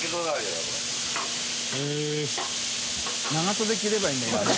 溝着ればいいんだけどね。